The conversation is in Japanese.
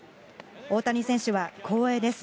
大谷選手は、光栄です。